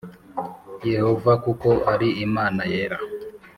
Yehova kuko ari Imana yera